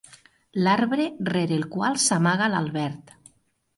L'arbre rere el qual s'amaga l'Albert.